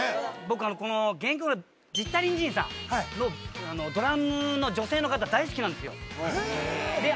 僕この原曲のジッタリン・ジンさんのドラムの女性の方大好きなんですよへえで